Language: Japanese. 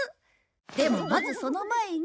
でもまずその前に。